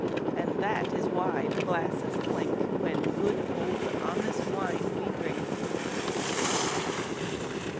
And that is why the glasses clink When good old honest wine we drink.